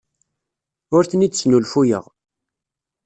Ur ten-id-snulfuyeɣ.